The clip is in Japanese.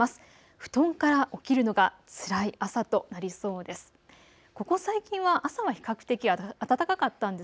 布団から起きるのがつらい朝となりそうです。